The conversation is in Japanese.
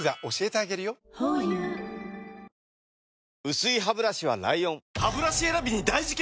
薄いハブラシは ＬＩＯＮハブラシ選びに大事件！